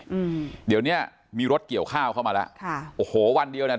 อืมเดี๋ยวเนี้ยมีรถเกี่ยวข้าวเข้ามาแล้วค่ะโอ้โหวันเดียวเนี้ย